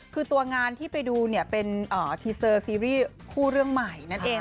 คือตัวงานที่ไปดูเนี่ยเป็นทีเซอร์ซีรีส์คู่เรื่องใหม่นั่นเอง